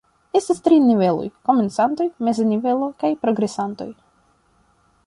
Estas tri niveloj: komencantoj, meza nivelo kaj progresantoj.